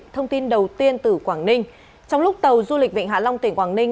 thông tin đầu tiên từ quảng ninh trong lúc tàu du lịch vịnh hạ long tỉnh quảng ninh